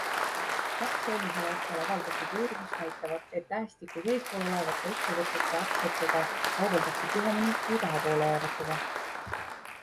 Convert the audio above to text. Kaks eelmisel aastal avaldatud uurimust näitavad, et tähestikus eespool olevate ettevõtete aktsiatega kaubeldakse tihemini kui taha poole jäävatega.